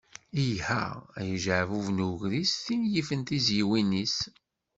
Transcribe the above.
Iha, ay ajeɛbub n ugris, tin yifen tizyiwin-is.